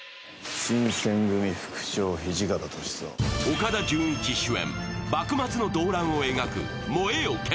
岡田准一主演、幕末の動乱を描く「燃えよ剣」。